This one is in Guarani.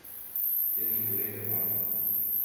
Tembi'u rehegua.